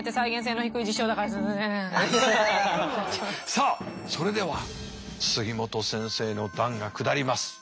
さあそれでは杉本先生の断が下ります。